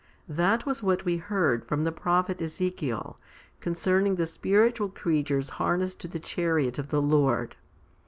That was what we heard from the prophet Ezekiel, concern ing the spiritual creatures harnessed to the chariot of the Lord.